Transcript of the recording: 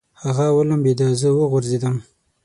هغه ولمبېده، زه وغورځېدم.